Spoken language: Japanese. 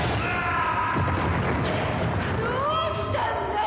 どうしたんだい？